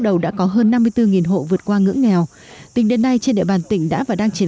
đầu đã có hơn năm mươi bốn hộ vượt qua ngưỡng nghèo tỉnh đến nay trên địa bàn tỉnh đã và đang triển